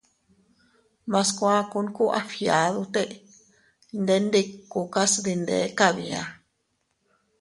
Mas kuakun ku a fgiadute iydendikukas dinde kabia.